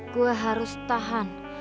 gue harus tahan